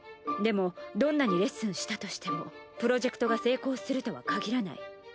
でもどんなにレッスンしたとしてもプロジェクトが成功するとはかぎらない。